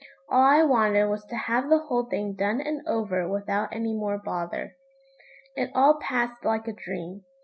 All I wanted was to have the whole thing done and over without any more bother. It all passed like a dream.